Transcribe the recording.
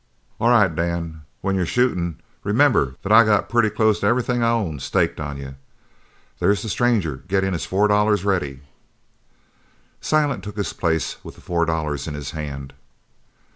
"All right, Dan. When you're shootin', remember that I got pretty close to everything I own staked on you. There's the stranger gettin' his four dollars ready." Silent took his place with the four dollars in his hand.